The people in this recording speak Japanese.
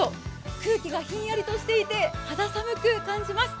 空気がひんやりとしていて肌寒く感じます。